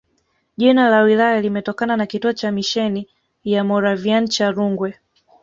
Jina la wilaya limetokana na kituo cha misheni ya Moravian cha Rungwe